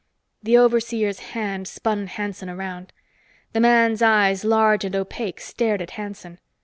The overseer's hand spun Hanson around. The man's eyes, large and opaque, stared at Hanson.